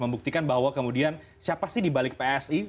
membuktikan bahwa kemudian siapa sih di balik psi